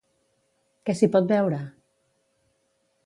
Què s'hi pot veure?